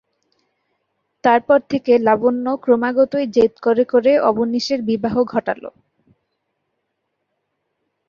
তার পর থেকে লাবণ্য ক্রমাগতই জেদ করে করে অবনীশের বিবাহ ঘটালো।